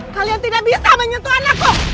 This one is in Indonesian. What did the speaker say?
kalian tidak bisa menyentuh anakku